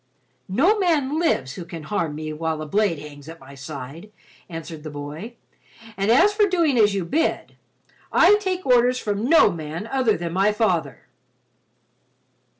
"No man lives who can harm me while a blade hangs at my side," answered the boy, "and as for doing as you bid, I take orders from no man other than my father."